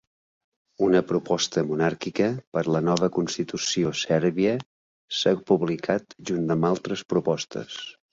Una proposta monàrquica per a la nova constitució sèrbia s"ha publicat junt amb altres propostes.